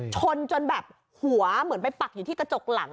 ชนจนแบบหัวเหมือนไปปักอยู่ที่กระจกหลัง